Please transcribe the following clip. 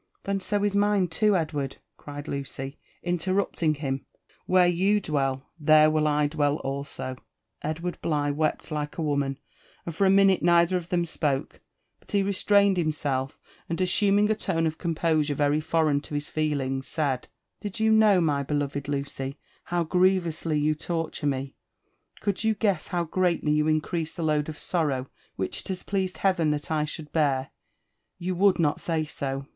"Then so is mine too, Edward!" cried Lucy, interrupting him. '* Where you dwell, there will I dwell alsol" Edward Bligh wept like a woman, and for a minute neither of them spoke; but he restrained himself, and assuming a tone of composure very foreign to his feelings, said> Did you know, my beloved Lucy, how grievously you torture me — could you guess how greatly you increiase the load of sorrow which it has pleased Heaven that I should bear, you would not say so."